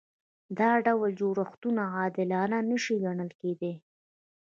دا ډول جوړښتونه عادلانه نشي ګڼل کېدای.